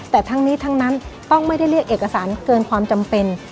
แต่ทั้งนี้ทั้งนั้นต้องไม่ได้เรียกเอกสารเกินความจำเป็น